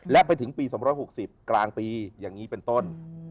และไปถึงปี๒๖๐กลางปีอย่างนี้เป็นต้น